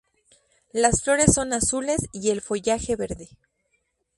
Las flores son azules y el follaje verde.